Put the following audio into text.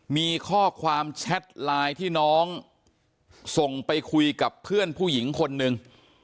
มีข้อความแชทไลน์ที่น้องส่งไปคุยกับเพื่อนผู้หญิงคนหนึ่ง